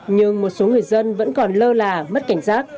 nhưng một số người dân vẫn còn lơ là mất cảnh giác